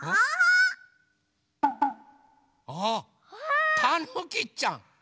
あたぬきちゃん。